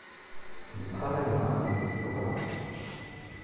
Il travaillera comme typographe.